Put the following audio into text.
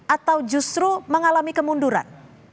atau justru mengalami kemunduran